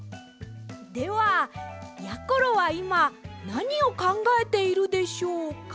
ではやころはいまなにをかんがえているでしょうか！？